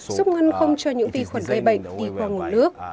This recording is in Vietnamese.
giúp ngân không cho những vi khuẩn gây bệnh đi qua ngủ nước